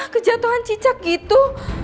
kejatuhan cicak gitu